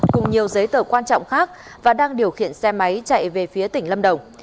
cùng nhiều giấy tờ quan trọng khác và đang điều khiển xe máy chạy về phía tỉnh lâm đồng